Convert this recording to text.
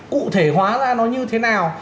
cụ thể hóa ra nó như thế nào